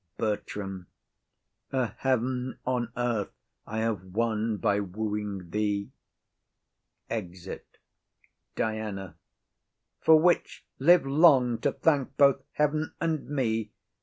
BERTRAM. A heaven on earth I have won by wooing thee. [Exit.] DIANA. For which live long to thank both heaven and me!